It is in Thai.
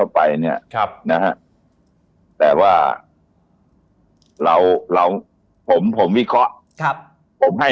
ถ้าเกิดความแตรกกัดเค้าไปเชื้อมะเรลียเข้าไป